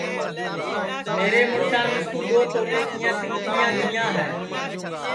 میرے مُُڑسان مِسکُو دؔو تولیے کیاں تینٚکھیا دؔیاں ہے